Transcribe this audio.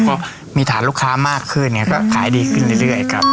เพราะมีฐานลูกค้ามากขึ้นไงก็ขายดีขึ้นเรื่อยครับ